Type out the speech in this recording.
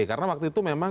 karena waktu itu memang